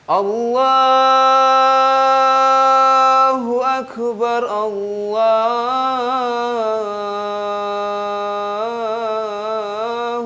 allahu akbar allah